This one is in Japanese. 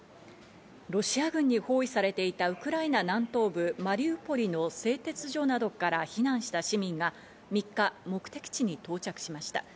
ロシア軍に包囲されていたウクライナ南東部マリウポリの製鉄所などから避難した市民が３日、目的地に到着しました。